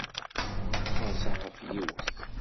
Qerrseɣ ɣef yiwet.